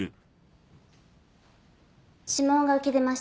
指紋が浮き出ました。